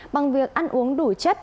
bằng việc ăn uống đủ chất